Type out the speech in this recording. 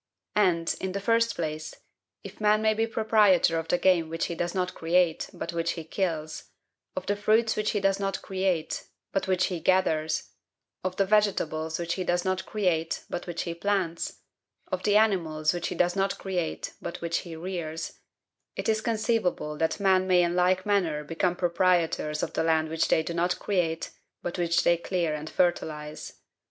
And, in the first place, if man may be proprietor of the game which he does not create, but which he KILLS; of the fruits which he does not create, but which he GATHERS; of the vegetables which he does not create, but which he PLANTS; of the animals which he does not create, but which he REARS, it is conceivable that men may in like manner become proprietors of the land which they do not create, but which they clear and fertilize.